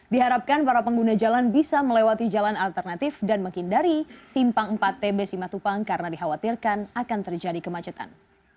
diharapkan para pengguna jalan bisa melewati jalan alternatif dan menghindari simpang empat tb simatupang karena dikhawatirkan akan terjadi kemacetan